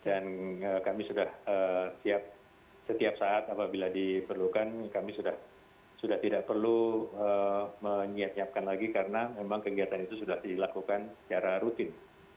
dan kami sudah siap setiap saat apabila diperlukan kami sudah tidak perlu menyiap siapkan lagi karena memang kegiatan itu sudah dilakukan secara rutin